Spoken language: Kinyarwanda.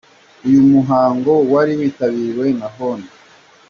Uyu muhango wari witabiriwe na Hon.